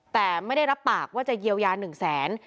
แต่ไม่ได้รับปากว่าจะเยียวยา๑แสน